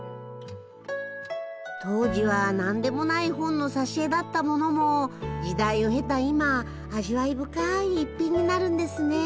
当時は何でもない本の挿絵だったものも時代を経た今味わい深い逸品になるんですね。